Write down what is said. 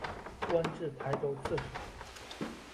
官至台州刺史。